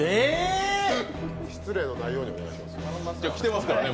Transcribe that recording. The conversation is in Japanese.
失礼のないようにお願いします。